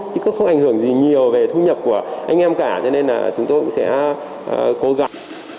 chứ không ảnh hưởng gì nhiều về thu nhập của anh em cả cho nên là chúng tôi cũng sẽ cố gắng